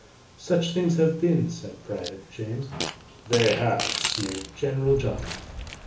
Such things have been," said PRIVATE JAMES. "They have!" sneered GENERAL JOHN.